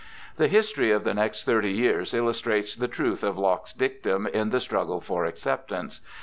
The history of the next thirty years illustrates the truth of Locke's dictum in the struggle for acceptance.